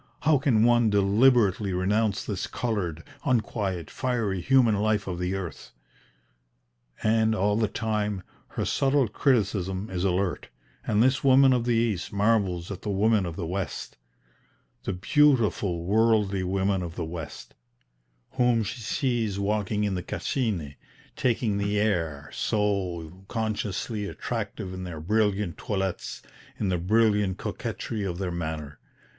how can one deliberately renounce this coloured, unquiet, fiery human life of the earth?" And, all the time, her subtle criticism is alert, and this woman of the East marvels at the women of the West, "the beautiful worldly women of the West," whom she sees walking in the Cascine, "taking the air so consciously attractive in their brilliant toilettes, in the brilliant coquetry of their manner!"